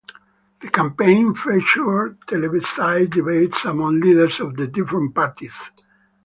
The campaign featured televised debates among leaders of different parties.